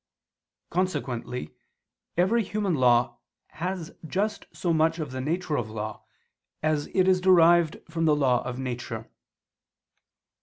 Consequently every human law has just so much of the nature of law, as it is derived from the law of nature.